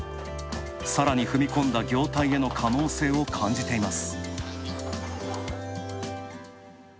さらに踏み込んだ業態への可能性を感じています。